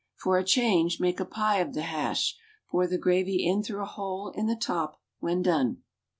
For a change make a pie of the hash, pouring the gravy in through a hole in the top when done.